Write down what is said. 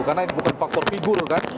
karena ini bukan faktor figur kan